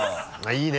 いいね。